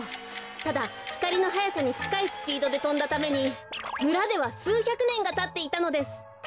ただひかりのはやさにちかいスピードでとんだためにむらではすうひゃくねんがたっていたのです。